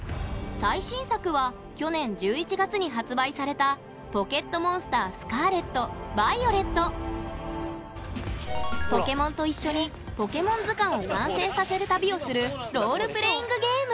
最新作は去年１１月に発売されたポケモンと一緒にポケモン図鑑を完成させる旅をするロールプレイングゲーム